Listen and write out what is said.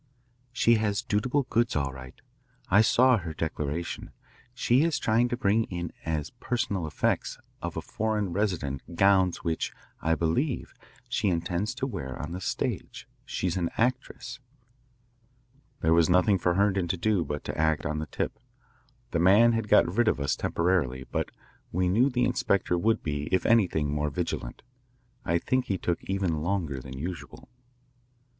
"She has dutiable goods, all right. I saw her declaration. She is trying to bring in as personal effects of a foreign resident gowns which, I believe, she intends to wear on the stage. She's an actress." There was nothing for Herndon to do but to act on the tip. The man had got rid of us temporarily, but we knew the inspector would be, if anything, more vigilant. I think he took even longer than usual.